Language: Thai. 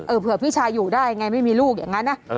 เผื่อพี่ชายอยู่ได้ไงไม่มีลูกอย่างนั้นนะ